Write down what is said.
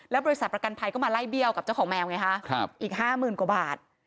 บริษัทประกันภัยก็มาไล่เบี้ยวกับเจ้าของแมวไงคะอีก๕๐๐๐กว่าบาท